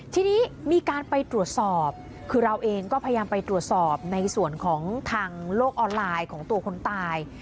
ทีนี้มีการไปตรวจสอบคือเราเองก็พยายามไปตรวจสอบในส่วนของทางโลกออนไลน์ของตัวคนตาย